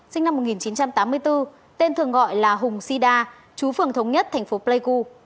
sinh năm một nghìn chín trăm tám mươi bốn tên thường gọi là hùng sida chú phường thống nhất thành phố pleiku